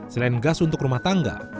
selain gas untuk rumah tangga